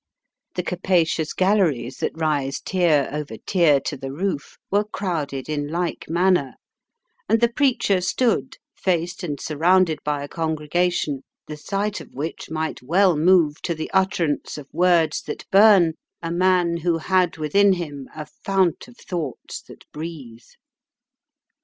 The capacious galleries that rise tier over tier to the roof were crowded in like manner, and the preacher stood, faced and surrounded by a congregation, the sight of which might well move to the utterance of words that burn a man who had within him a fount of thoughts that breathe.